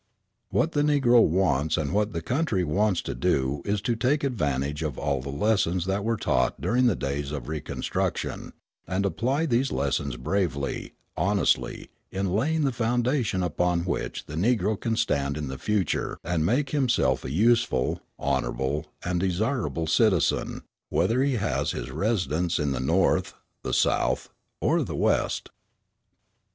What the Negro wants and what the country wants to do is to take advantage of all the lessons that were taught during the days of reconstruction, and apply these lessons bravely, honestly, in laying the foundation upon which the Negro can stand in the future and make himself a useful, honourable, and desirable citizen, whether he has his residence in the North, the South, or the West.